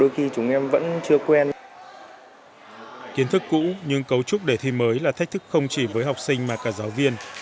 kiến thức cũ nhưng cấu trúc đề thi mới là thách thức không chỉ với học sinh mà cả giáo viên